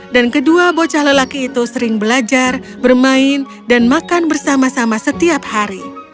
dan kedua bocah lelaki itu sering belajar bermain dan makan bersama sama setiap hari